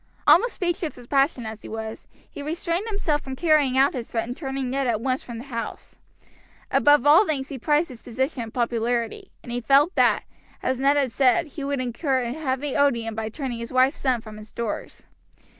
Almost speechless with passion as he was, he restrained himself from carrying out his threat and turning Ned at once from the house. Above all things he prized his position and popularity, and he felt that, as Ned had said, he would indeed incur a heavy odium by turning his wife's son from his doors.